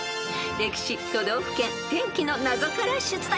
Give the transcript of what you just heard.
［歴史都道府県天気の謎から出題］